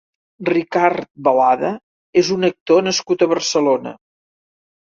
Ricard Balada és un actor nascut a Barcelona.